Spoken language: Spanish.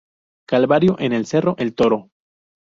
Calvario en el cerro El toro.